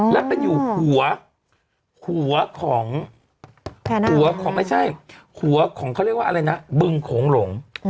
แล้วเป็นอยู่หัวหัวของหัวของไม่ใช่หัวของเขาเรียกว่าอะไรนะบึงโขงหลง